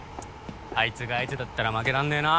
あいつが相手だったら負けらんねえな！